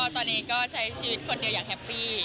ตอนนี้ก็ใช้ชีวิตคนเดียวอย่างแฮปปี้